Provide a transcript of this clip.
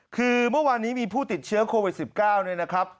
คือเมื่อวานนี้มีผู้ติดเชื้อโควิด๑๙เนี่ยนะครับ